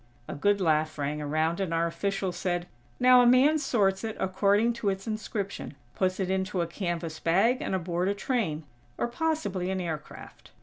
A good laugh rang around, and our official said: "Now a man sorts it according to its inscription, puts it into a canvas bag and aboard a train, or possibly an aircraft.